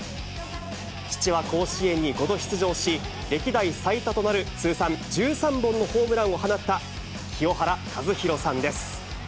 父は甲子園に５度出場し、歴代最多となる通算１３本のホームランを放った、清原和博さんです。